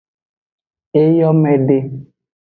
Eygome de.